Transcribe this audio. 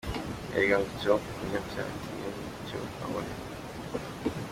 Erega ngo icyo umunyabyaha atinya ni cyo abona!